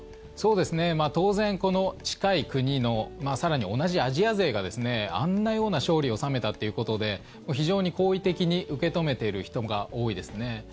当然、近い国の更に同じアジア勢があんなような勝利を収めたということで非常に好意的に受け止めている人が多いですね。